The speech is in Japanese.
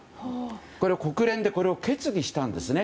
これを国連で決議したんですね。